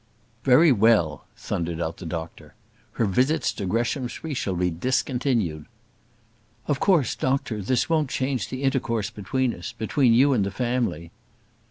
"Very well!" thundered out the doctor. "Her visits to Greshamsbury shall be discontinued." "Of course, doctor, this won't change the intercourse between us; between you and the family."